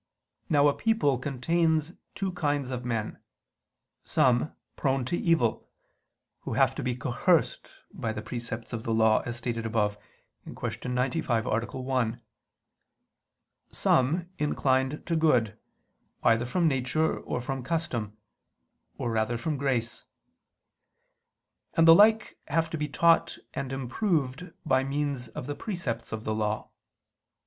Now a people contains two kinds of men: some, prone to evil, who have to be coerced by the precepts of the law, as stated above (Q. 95, A. 1); some, inclined to good, either from nature or from custom, or rather from grace; and the like have to be taught and improved by means of the precepts of the law.